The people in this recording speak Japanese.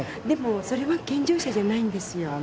でもそれは健常者じゃないんですよ。